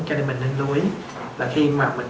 cho nên mình nên lưu ý là khi mà bệnh